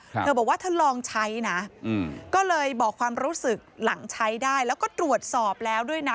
เธอบอกว่าเธอลองใช้นะอืมก็เลยบอกความรู้สึกหลังใช้ได้แล้วก็ตรวจสอบแล้วด้วยนะ